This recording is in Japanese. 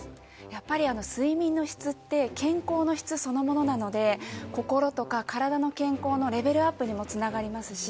やっぱり睡眠の質って健康の質そのものなので心とか体の健康のレベルアップにもつながりますし